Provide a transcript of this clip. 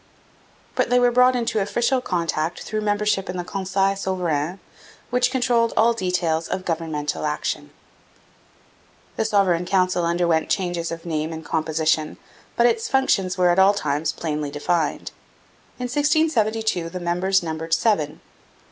But they were brought into official contact through membership in the Conseil Souverain, which controlled all details of governmental action. The Sovereign Council underwent changes of name and composition, but its functions were at all times plainly defined. In 1672 the members numbered seven.